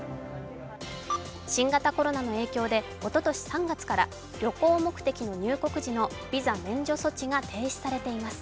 新型コロナの影響でおととし３月から旅行目的の入国時のビザの免除措置が停止されています。